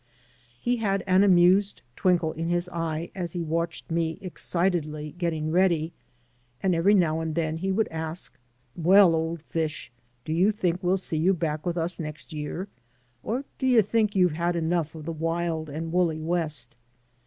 He had an amused twinkle in his eye as he watched me excitedly getting ready, and every now and then he woidd ask: "Well, old fish, do you think we'll see you back with us next year? Or do you think you've had enough of the wild and woolly West?"